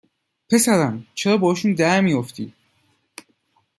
پسرم چرا باهاشون درمی افتی